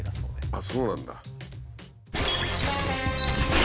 あっそうなんだ。